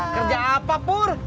kerja apa pur